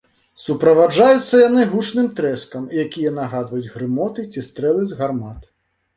Суправаджаюцца яны гучным трэскам, якія нагадваюць грымоты ці стрэлы з гармат.